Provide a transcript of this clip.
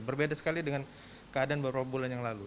berbeda sekali dengan keadaan beberapa bulan yang lalu